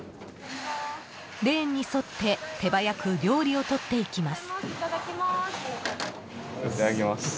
レーンに沿って手早く料理を取っていきます。